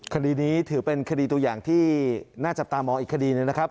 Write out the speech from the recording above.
คดีนี้ถือเป็นคดีตัวอย่างที่น่าจับตามองอีกคดีหนึ่งนะครับ